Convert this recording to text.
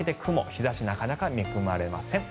日差しなかなか恵まれません。